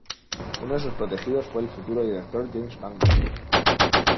Uno de sus protegidos fue el futuro director James Mangold.